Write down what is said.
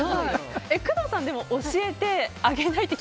工藤さん、でも教えてあげないって。